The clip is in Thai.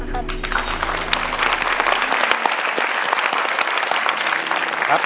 ขอบคุณครับ